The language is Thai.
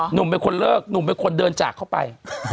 หนุ่มเป็นคนเลิกหนุ่มเป็นคนเดินจากเข้าไป